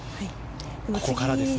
ここからですね。